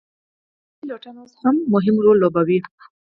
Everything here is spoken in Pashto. خو ځنګلي پیلوټان اوس هم مهم رول لوبوي